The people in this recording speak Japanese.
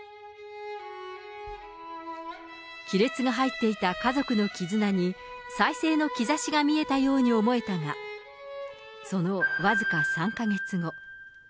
亀裂が入っていた家族の絆に再生の兆しが見えたように思えたが、その僅か３か月後。